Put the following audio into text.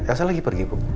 elsa lagi pergi bu